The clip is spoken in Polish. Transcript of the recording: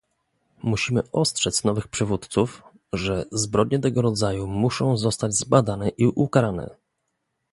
Musimy ostrzec nowych przywódców, że zbrodnie tego rodzaju muszą zostać zbadane i ukarane